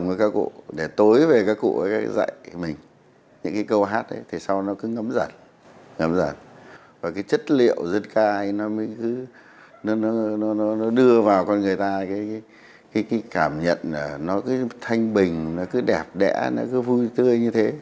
và cái chất liệu dân cai nó đưa vào con người ta cái cảm nhận nó cứ thanh bình nó cứ đẹp đẽ nó cứ vui tươi như thế